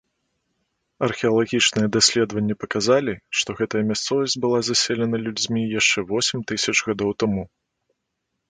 Археалагічныя даследаванні паказалі, што гэтая мясцовасць была заселена людзьмі яшчэ восем тысяч гадоў таму.